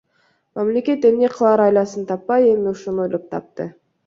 Мамлекет эмне кылаар айласын таппай, эми ушуну ойлоп тапты.